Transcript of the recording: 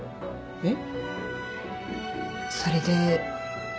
えっ？